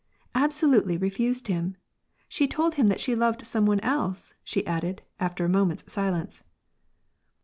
— absolutely refused him ! She told him that she loved some one else," she added, after a moment's silence.